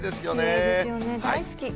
きれいですよね、大好き。